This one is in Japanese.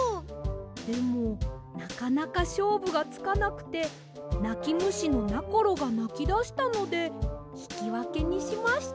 でもなかなかしょうぶがつかなくてなきむしのなころがなきだしたのでひきわけにしました。